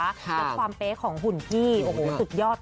และความเป๊ะของหุ่นพี่โอ้โหสุดยอด